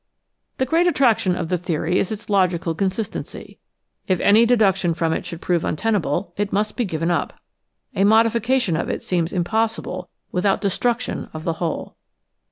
The great attraction of the theory is its logical consis tency. If any deduction from it should prove untenable, it must be given up. A modification of it seems im possible without destruction of the whole.